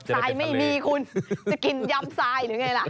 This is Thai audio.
ทรายไม่มีคุณจะกินยำทรายหรือไงล่ะ